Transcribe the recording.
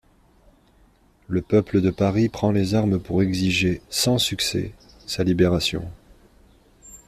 Le peuple de Paris prend les armes pour exiger, sans succès, sa libération.